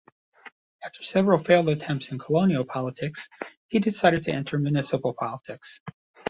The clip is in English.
After several failed attempts in colonial politics, he decided to enter municipal politics.